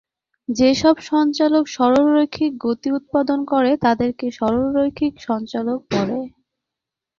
যেসব সঞ্চালক সরলরৈখিক গতি উৎপাদন করে, তাদেরকে সরলরৈখিক সঞ্চালক বলে।